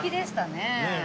ねえ